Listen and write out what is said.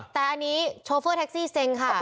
แต่อันนี้โชเฟอร์แท็กซี่เซ็งค่ะ